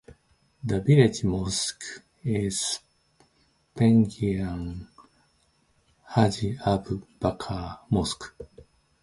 The village mosque is Pengiran Haji Abu Bakar Mosque.